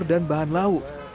dan bahan lauk